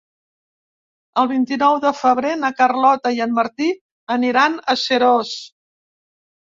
El vint-i-nou de febrer na Carlota i en Martí aniran a Seròs.